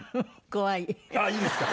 あっいいですか？